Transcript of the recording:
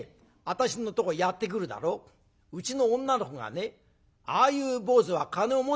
私のとこへやって来るだろうちの女の子がねああいう坊主は金を持ってんのかね？